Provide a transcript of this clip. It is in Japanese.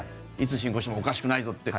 いつ侵攻してもおかしくないと。